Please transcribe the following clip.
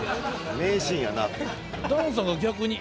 名シーンやな。